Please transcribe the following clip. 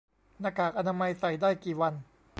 หน้ากากอนามัยใส่ได้กี่วัน